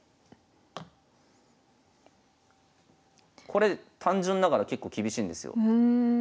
これ単純ながら結構厳しいんですよ。